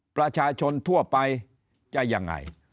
ประชาชนทั่วไปจะยังไง